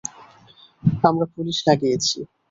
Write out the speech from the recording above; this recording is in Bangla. আমরা পুলিশ লাগিয়েছি।